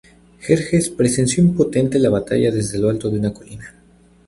Jerjes presenció impotente la batalla, desde lo alto de una colina.